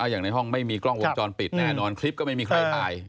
อย่างในห้องไม่มีกล้องวงจรปิดแน่นอนคลิปก็ไม่มีใครถ่าย